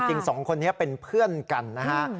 สองคนนี้เป็นเพื่อนกันนะฮะ